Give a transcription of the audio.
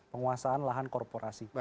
penguasaan lahan korporasi